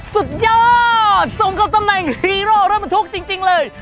สุดยอดสมกับตำแหน่งฮีโร่รถบรรทุกจริงเลย